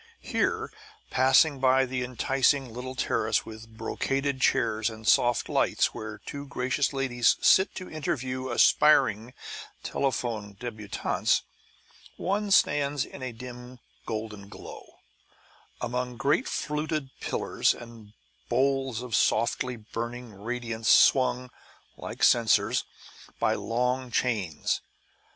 Here, passing by the enticing little terrace with brocaded chairs and soft lights where two gracious ladies sit to interview aspiring telephone débutantes, one stands in a dim golden glow, among great fluted pillars and bowls of softly burning radiance swung (like censers) by long chains.